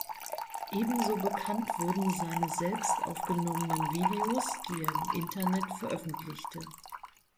Ebenso bekannt wurden seine selbst aufgenommenen Videos, die er im Internet veröffentlichte.